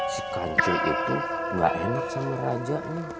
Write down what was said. si kancil itu gak enak sama raja